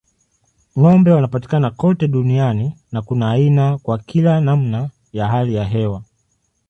Ng'ombe wanapatikana kote duniani na kuna aina kwa kila namna ya hali ya hewa.